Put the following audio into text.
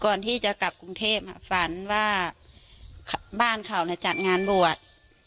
ก่อนที่จะกลับกรุงเทพฝันว่าบ้านเขาจัดงานบวช